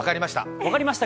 分かりました。